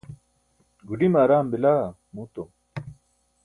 guḍime araam bila muuto